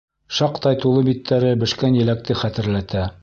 Шаҡтай тулы биттәре бешкән еләкте хәтерләтә.